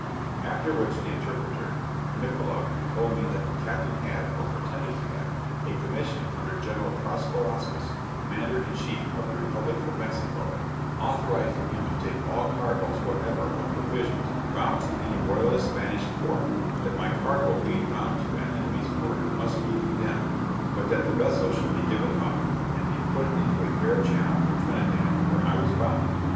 After which, the interpreter, Nickola, told me that "the captain had, or pretended to have, a commission under General Traspelascus, commander in chief of the republic of Mexico, authorizing him to take all cargoes whatever of provisions, bound to any royalist Spanish port that my cargo being bound to an enemy's port, must be condemned; but that the vessel should be given up and be put into a fair channel for Trinidad, where I was bound."